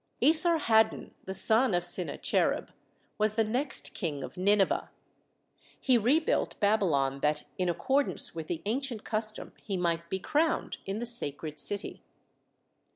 Esarhaddon, the son of Sinacherib, was the next King of Nineveh. He rebuilt Babylon that in accordance with the ancient custom he might be crowned in the sacred city.